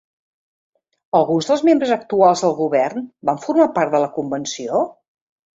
Alguns dels membres actuals del govern van formar part de la convenció?